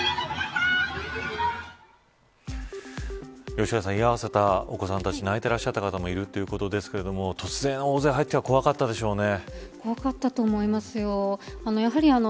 吉川さん、居合わせたお子さんとたち泣いていらっしゃった方もいるということですが突然、大勢入ってきたら怖かったでしょうね。